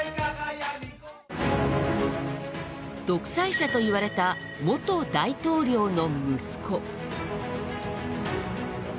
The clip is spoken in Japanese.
独裁者と言われた元大統領の息子。